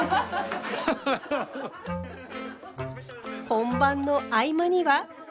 本番の合間には。